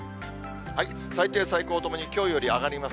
最低、最高ともにきょうより上がります。